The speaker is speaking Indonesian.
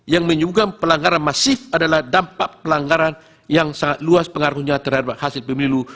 yang menyukam pelanggaran masif adalah dampak pelanggaran yang sangat luas pengaruhnya terhadap hasil pemilu